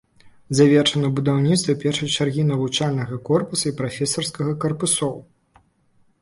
Завершана будаўніцтва першай чаргі навучальнага корпуса і прафесарскага карпусоў.